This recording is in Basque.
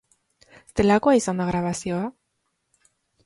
Zelakoa izan da grabazioa?